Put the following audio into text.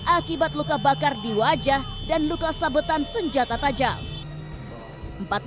akibat luka bakar di wajah dan luka sabetan senjata tajam